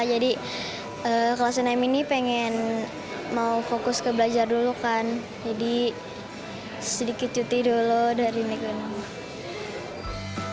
jadi kelas nm ini pengen mau fokus ke belajar dulu kan jadi sedikit cuti dulu dari negeri